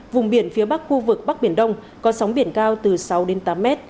vùng biển phía bắc khu vực bắc biển đông có sóng biển cao từ sáu đến tám m